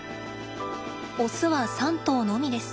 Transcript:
オスは３頭のみです。